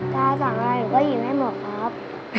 ถ้าสั่งอะไรหนูก็ยิ้มให้หมดครับ